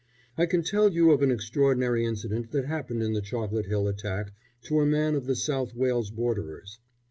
I can tell you of an extraordinary incident that happened in the Chocolate Hill attack to a man of the South Wales Borderers.